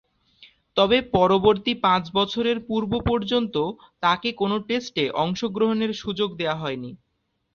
তবে, পরবর্তী পাঁচ বছরের পূর্ব-পর্যন্ত তাকে কোন টেস্টে অংশগ্রহণের সুযোগ দেয়া হয়নি।